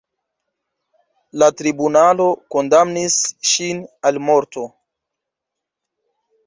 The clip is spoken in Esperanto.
La tribunalo kondamnis ŝin al morto.